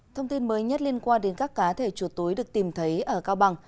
thông tin mới nhất liên quan đến các cá thể chuột túi được tìm thấy ở cao bằng